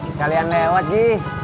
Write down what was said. sekalian lewat gih